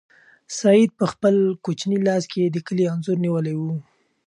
سعید په خپل کوچني لاس کې د کلي انځور نیولی و.